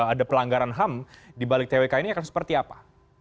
ada pelanggaran ham dibalik twk ini akan seperti apa